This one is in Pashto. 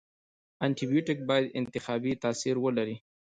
انټي بیوټیک باید انتخابي تاثیر ولري.